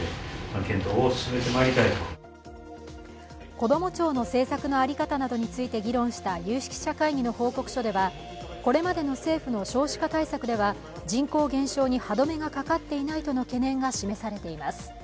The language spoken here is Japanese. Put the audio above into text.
こども庁の政策の在り方などについて議論した有識者会議の報告書ではこれまでの政府の少子化対策では人口減少に歯止めがかかっていないとの懸念が示されています。